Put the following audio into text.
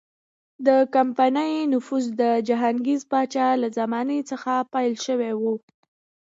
د کمپنۍ نفوذ د جهانګیر پاچا له زمانې څخه پیل شوی و.